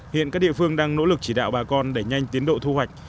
hiện các địa phương đang nỗ lực chỉ đạo bà con đẩy nhanh tiến độ thu hoạch